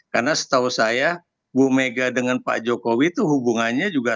karena setahu saya ibu megawati dengan pak jokowi itu hubungannya juga